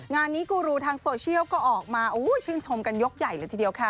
งานนี้กูรูทางโซเชียลก็ออกมาชื่นชมกันยกใหญ่เลยทีเดียวค่ะ